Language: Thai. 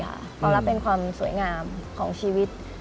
ความรักเป็นความสวยงามของชีวิต